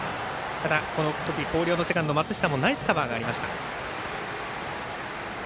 ただ、この時広陵のセカンド松下のナイスカバーがありました。